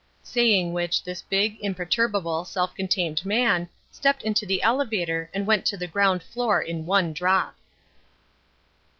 Saying which this big, imperturbable, self contained man stepped into the elevator and went to the ground floor in one drop.